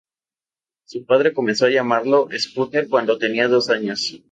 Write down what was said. Su padre comenzó a llamarlo Scooter cuando tenía dos años.